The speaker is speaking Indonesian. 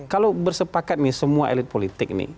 kalau bersepakat nih semua elit politik nih